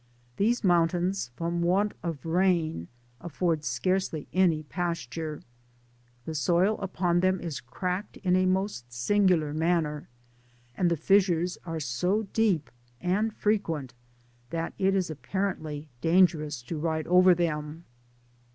These mountains, from want of rain, afford scarcely any pasture: the soil upon them is cracked in a most Angular manner, and the fissures are so deep and fjrequenty that it is apparently dangerous to ride over them.